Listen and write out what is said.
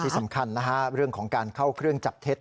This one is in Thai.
สำคัญนะฮะเรื่องของการเข้าเครื่องจับเท็จ